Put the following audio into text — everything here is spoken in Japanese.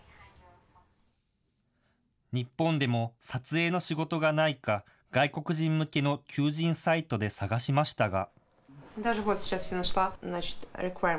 日本でも撮影の仕事がないか、外国人向けの求人サイトで探しましたが。